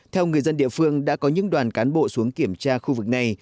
theo người dân địa phương đã có những đoàn cán bộ xuống kiểm tra khu vực này